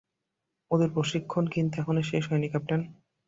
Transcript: ওদের প্রশিক্ষণ কিন্তু এখনো শেষ হয়নি, ক্যাপ্টেন।